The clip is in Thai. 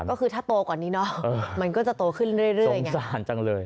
ก็คือถ้าโตก่อนนี้เนาะมันก็จะโตขึ้นเรื่อยอย่างนี้